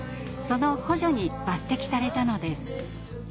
その補助に抜てきされたのです。